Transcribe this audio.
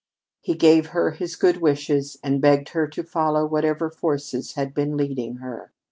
He gave her his good wishes and begged her to follow whatever forces had been leading her.